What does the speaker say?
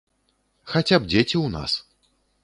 Хаця б дзеці ў нас!